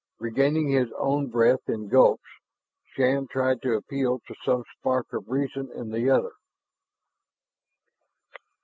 Regaining his own breath in gulps, Shann tried to appeal to some spark of reason in the other.